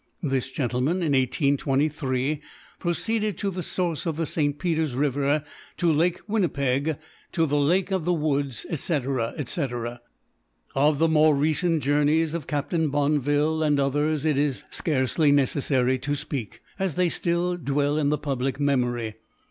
This gentleman, in 1823, proceeded to the source of St. Peter's river, to Lake Winnipeg, to the Lake of the Woods, etc., etc. Of the more recent journeys of Captain Bonneville and others it is scarcely necessary to speak, as they still dwell in the public memory.